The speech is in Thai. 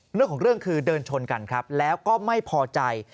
เรื่องของเรื่องคือเดินชนกันครับแล้วก็ไม่พอใจ